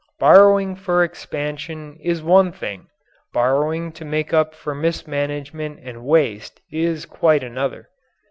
Borrowing for expansion is one thing; borrowing to make up for mismanagement and waste is quite another.